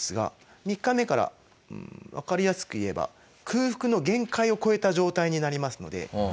３日目からわかりやすく言えば空腹の限界を超えた状態になりますので。